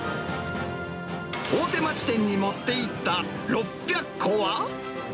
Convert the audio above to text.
大手町店に持っていった６００個は？